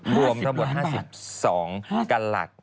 รวมทั้งหมด๕๒กลับหลัก๕๐ล้านบาท